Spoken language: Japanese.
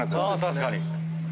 確かに。